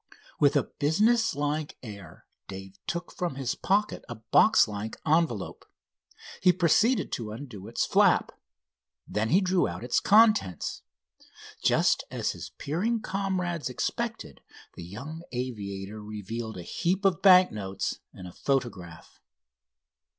With a business like air Dave took from his pocket a box like envelope. He proceeded to undo its flap. Then he drew out its contents. Just as his peering comrades expected, the young aviator revealed a heap of bank notes and a photograph.